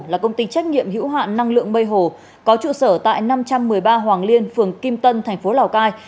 là công ty trách nhiệm hữu hạn năng lượng mây hồ có trụ sở tại năm trăm một mươi ba hoàng liên phường kim tân thành phố lào cai